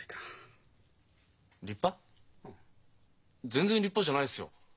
全然立派じゃないっすよ。